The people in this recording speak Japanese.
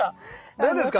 何ですか？